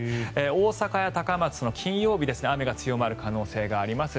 大阪や高松、金曜日に雨が強まる可能性があります。